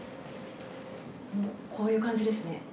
こういう感じですね。